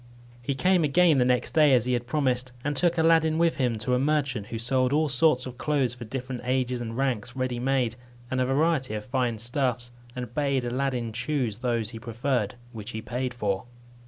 He came again the next day, as he had promised, and took Aladdin with him to a merchant, who sold all sorts of clothes for different ages and ranks, ready made, and a variety of fine stuffs, and bade Aladdin choose those he preferred, which he paid for.